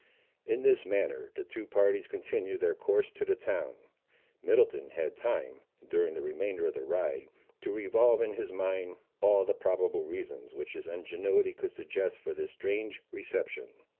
In this manner the two parties continued their course to the town. Middleton had time, during the remainder of the ride, to revolve in his mind, all the probable reasons which his ingenuity could suggest for this strange reception.